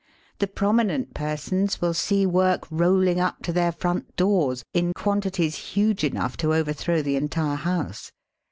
The prominent persons will see work rolling up to their front doors in quantities huge enough to overthrow the entire house.